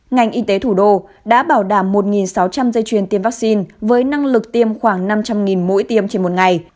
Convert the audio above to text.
ngành y tế thủ đô đã bảo đảm một sáu trăm linh dây chuyền tiêm vaccine với năng lực tiêm khoảng năm trăm linh mỗi tiêm trên một ngày